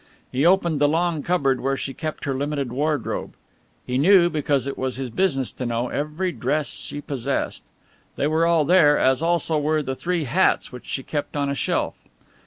He opened the long cupboard where she kept her limited wardrobe. He knew, because it was his business to know, every dress she possessed. They were all there as, also, were the three hats which she kept on a shelf.